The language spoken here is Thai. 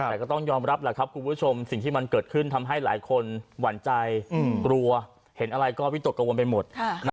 แต่ก็ต้องยอมรับแหละครับคุณผู้ชมสิ่งที่มันเกิดขึ้นทำให้หลายคนหวั่นใจกลัวเห็นอะไรก็วิตกกังวลไปหมด